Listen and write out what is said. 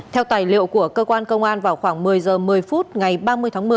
theo tài liệu của cơ quan công an vào khoảng một mươi h một mươi phút ngày ba mươi tháng một mươi